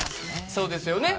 そうですよね。